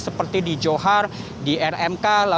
seperti di johar di rmk